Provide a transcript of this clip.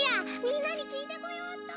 みんなに聞いてこようっと。